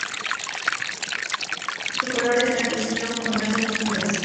Su color es blanquecino con manchas oscuras.